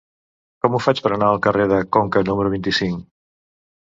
Com ho faig per anar al carrer de Conca número vint-i-cinc?